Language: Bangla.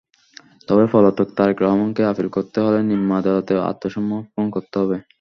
তবে পলাতক তারেক রহমানকে আপিল করতে হলে নিম্ন আদালতে আত্মসমর্পণ করতে হবে।